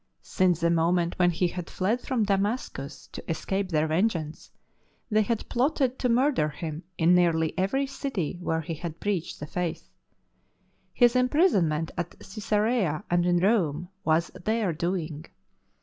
Since the moment when he had fled from Damascus to escape their vengeance, they had plotted to murder him in nearly every city where he had preached the Faith. His imprisonment at Cesarea and in Rome was their doing.